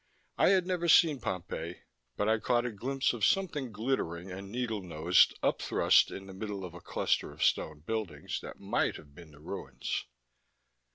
I had never seen Pompeii, but I caught a glimpse of something glittering and needle nosed, up thrust in the middle of a cluster of stone buildings that might have been the ruins.